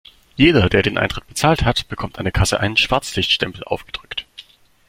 Jeder, der den Eintritt bezahlt hat, bekommt an der Kasse einen Schwarzlichtstempel aufgedrückt.